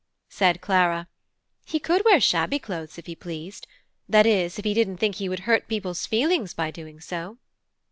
Said Clara: "He could wear shabby clothes if he pleased, that is, if he didn't think he would hurt people's feelings by doing so."